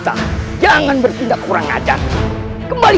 saling mencari dan saling memburu